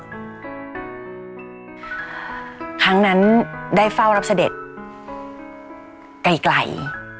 ครั้งนั้นได้เฝ้ารับเสด็จไกล